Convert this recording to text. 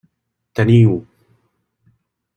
Teniu.